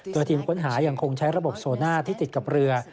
โดยทีมค้นหายังคงใช้ระบบโซน่าที่ติดกับเรือ